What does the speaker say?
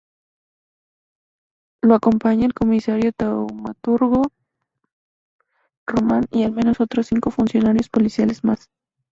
Lo acompaña el Comisario Taumaturgo Román y al menos otros cinco funcionarios policiales más.